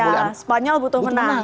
ya spanyol butuh menang